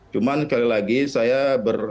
cuma sekali lagi saya berperasaan